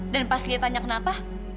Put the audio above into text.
dan pas liatannya kenapa